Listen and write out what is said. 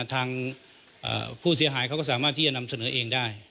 ทางผู้เสียหายเขาก็สามารถที่จะนำเสนอเองได้